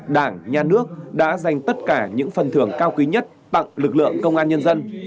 đảng nhà nước đã dành tất cả những phần thưởng cao quý nhất tặng lực lượng công an nhân dân